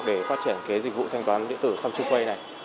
để phát triển dịch vụ thanh toán điện tử samsung pay này